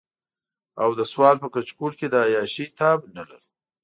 او د سوال په کچکول کې د عياشۍ تاب نه لرو.